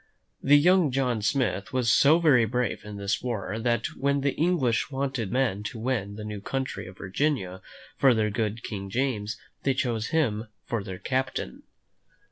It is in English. The young John Smith was so very brave in this war that when the English wanted men to win the new country of Virginia for their good King James, they chose him for their captain.